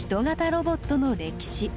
ロボットの歴史。